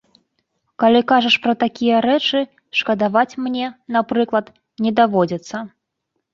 Калі кажаш пра такія рэчы, шкадаваць мне, напрыклад, не даводзіцца.